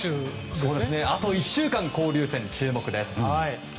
あと１週間交流戦注目です。